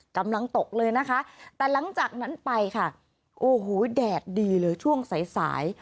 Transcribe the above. กำลังตกเลยนะคะแต่หลังจากนั้นไปค่ะโอ้โหแดดดีเลยช่วงสายสาย